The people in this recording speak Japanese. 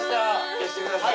消してください。